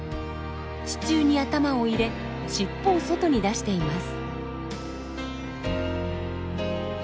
地中に頭を入れ尻尾を外に出しています。